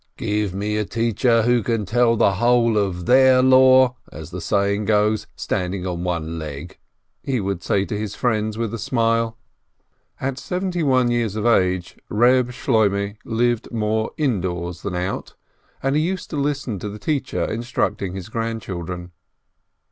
"Give me a teacher who can tell the whole of their Law, as the saying goes, standing on one leg !" he would say to his friends, with a smile. At seventy one years of age, Reb Shloimeh lived more indoors than out, and he used to listen to the teacher instructing his grandchildren.